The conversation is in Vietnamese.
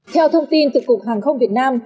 theo thông tin từ cục hàng không việt nam